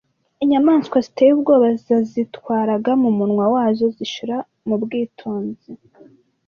Inyamaswa ziteye ubwoba zazitwaraga mumunwa wazo zishira mubwitonzi.